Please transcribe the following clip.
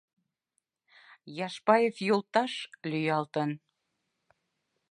Яшпаев йолташ... лӱялтын...